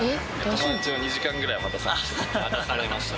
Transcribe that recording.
友達を２時間ぐらい待たせました。